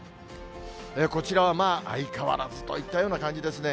こちらは相変わらずといったような感じですね。